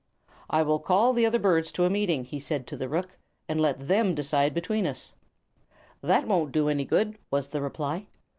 "I will call the other birds to a meeting," he said to the rook, "and let them decide between us." "That won't do any good," was the reply.